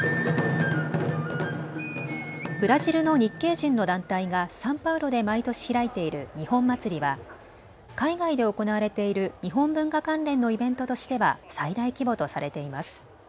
ブラジルの日系人の団体がサンパウロで毎年開いている日本祭りは海外で行われている日本文化関連のイベントとしては最大規模とされています。